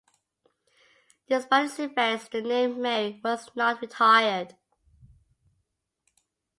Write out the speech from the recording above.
Despite its effects, the name Mary was not retired.